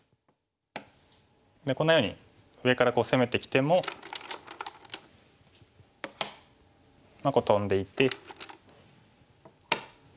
こんなように上から攻めてきてもトンでいって。